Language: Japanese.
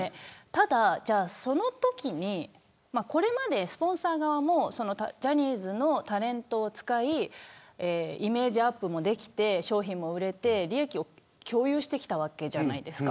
ただ、そのときにこれまでスポンサー側もジャニーズのタレントを使ってイメージアップができて商品も売れて利益を共有してきたわけじゃないですか。